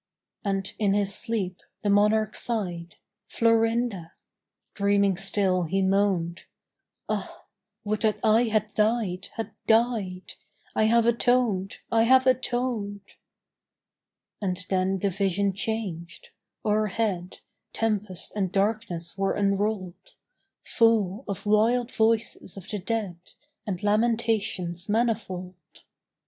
And in his sleep the monarch sighed, "Florinda!" Dreaming still he moaned, "Ah, would that I had died, had died! I have atoned! I have atoned!"... And then the vision changed: O'erhead Tempest and darkness were unrolled, Full of wild voices of the dead, And lamentations manifold.